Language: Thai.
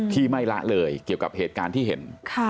ที่ไม่ละเลยเกี่ยวกับเหตุการณ์ที่เห็น